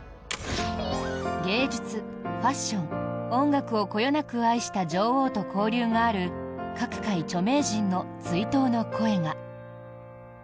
芸術、ファッション、音楽をこよなく愛した女王と交流がある各界著名人の追悼の声が。